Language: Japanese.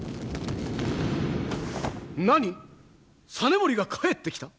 実盛が帰ってきた！？